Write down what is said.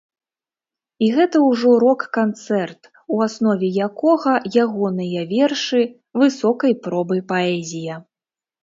І гэта ўжо рок канцэрт, у аснове якога ягоныя вершы, высокай пробы паэзія.